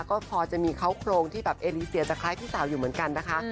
ก็พอจะมีเขาโครงที่แบบเอลิเซียจะคล้ายพี่สาวอยู่เหมือนกันนะคะ